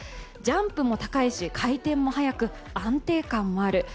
ジャンプも高いし回転も速く安定感もある。